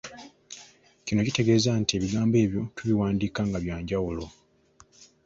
Kino kitegeeza nti ebigambo ebyo tubiwandiika nga bya njawulo.